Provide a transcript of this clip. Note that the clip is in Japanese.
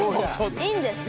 いいんですか？